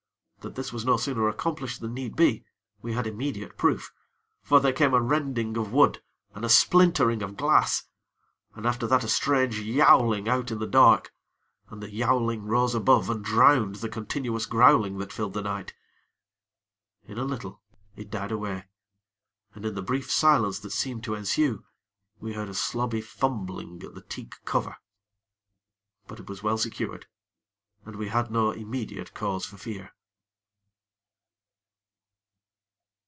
That this was no sooner accomplished than need be, we had immediate proof; for there came a rending of wood and a splintering of glass, and after that a strange yowling out in the dark, and the yowling rose above and drowned the continuous growling that filled the night. In a little, it died away, and in the brief silence that seemed to ensue, we heard a slobby fumbling at the teak cover; but it was well secured, and we had no immediate cause for fear.